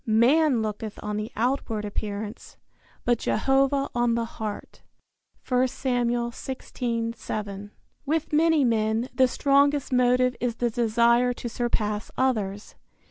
"Man looketh on the outward appearance, but Jehovah on the heart." I Sam. 16:7. With many men the strongest motive is the desire to surpass others.